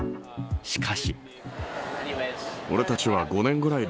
しかし。